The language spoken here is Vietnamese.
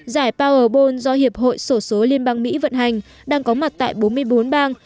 giải powerbone do hiệp hội sổ số liên bang mỹ vận hành đang có mặt tại bốn mươi bốn bang